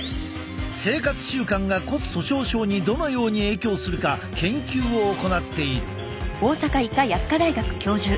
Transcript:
生活習慣が骨粗しょう症にどのように影響するか研究を行っている。